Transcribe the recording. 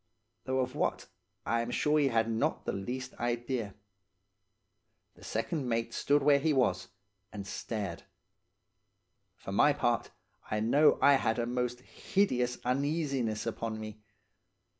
Though of what, I am sure he had not the least idea. The second mate stood where he was, and stared. For my part, I know I had a most hideous uneasiness upon me.